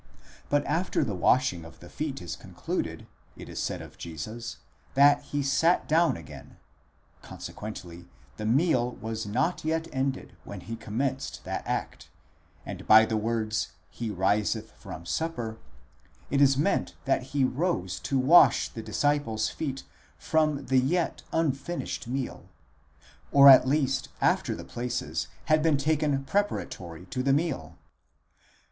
® But after the washing of the feet is concluded, it is said of Jesus, that he sat down again (ἀναπεσὼν πάλιν v. 12), consequently the meal was not yet ended when he commenced that act, and by the words he viseth from supper, it is meant that he rose to wash the disciples' feet from the yet unfinished meal, or at least after the places had been taken preparatory to the meal.